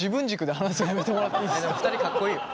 でも２人かっこいいよ。